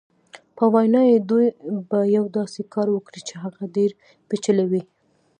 په وینا یې دوی به یو داسې کار وکړي چې هغه ډېر پېچلی وي.